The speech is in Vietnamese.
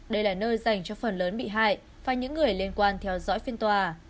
đây là nơi dành cho phần lớn bị hại và những người liên quan theo dõi phiên tòa